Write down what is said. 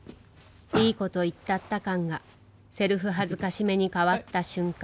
いいこと言ったった感がセルフ辱めにかわった瞬間